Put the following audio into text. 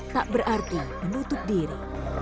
tak berarti menutup diri